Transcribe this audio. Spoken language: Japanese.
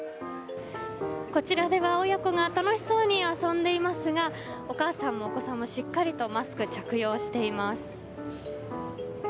こちらでは親子が楽しそうに遊んでいますがお母さんもお子さんもしっかりマスク着用しています。